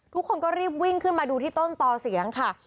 ทุกคนก็รีบวิ่งขึ้นมาดูที่ต้นต่อเสียงค่ะ